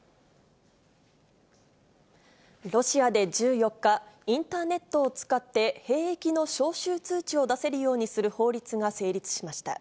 ロシアで１４日、インターネットを使って兵役の招集通知を出せるようにする法律が成立しました。